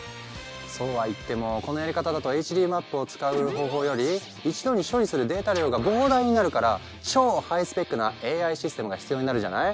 そうは言ってもこのやり方だとＨＤマップを使う方法より一度に処理するデータ量が膨大になるから超ハイスペックなＡＩシステムが必要になるじゃない？